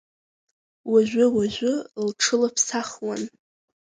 Уажәы-уажәы лҽылыԥсахуан.